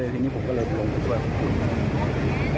ทีนี้ผมก็เลยลงไปช่วยขุด